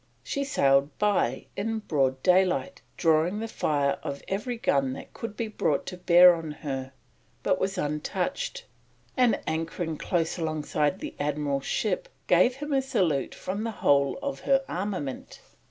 She sailed by in broad daylight, drawing the fire of every gun that could be brought to bear on her, but was untouched, and, anchoring close alongside the Admiral's ship, gave him a salute from the whole of her armament.